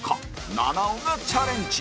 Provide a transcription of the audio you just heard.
菜々緒がチャレンジ